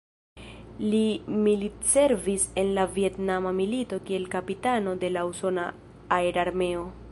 Li militservis en la Vjetnama milito kiel kapitano de la usona aerarmeo.